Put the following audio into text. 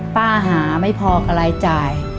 ป้าหาไม่พอกับรายจ่าย